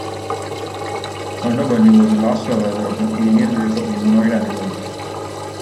Thunderbunny was the last survivor of an alien race of humanoid animals.